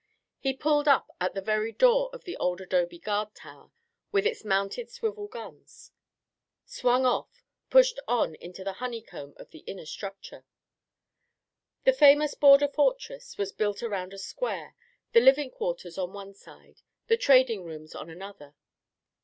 He pulled up at the very door of the old adobe guard tower with its mounted swivel guns; swung off, pushed on into the honeycomb of the inner structure. The famous border fortress was built around a square, the living quarters on one side, the trading rooms on another.